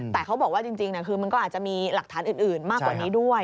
แต่เขาบอกว่าจริงคือมันก็อาจจะมีหลักฐานอื่นมากกว่านี้ด้วย